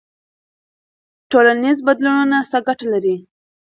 ټولنیز بدلونونه څه ګټه لري؟